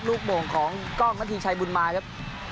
โมงของกล้องนาทีชัยบุญมาครับ